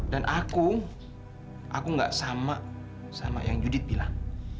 dan aku aku gak sama yang judit bilang